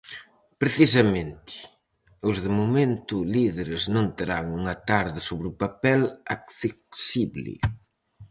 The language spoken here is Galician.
Precisamente, os de momento líderes non terán unha tarde sobre o papel accesible.